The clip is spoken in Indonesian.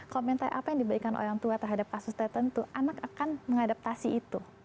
komentar apa yang diberikan orang tua terhadap kasus tertentu anak akan mengadaptasi itu